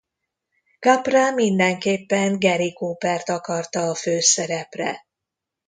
Capra mindenképpen Gary Coopert akarta a főszerepre.